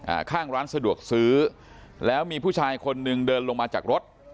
อ่าข้างร้านสะดวกซื้อแล้วมีผู้ชายคนหนึ่งเดินลงมาจากรถ